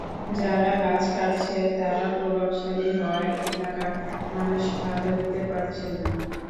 যারা গাছ কাটছে, তারা প্রভাবশালী হওয়ায় এলাকার মানুষ বাধা দিতে পারছেন না।